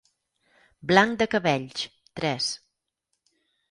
Blanc de cabells; tres.